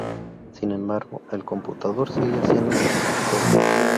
Sin embargo, el computador seguía siendo el tutor.